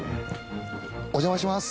お邪魔します。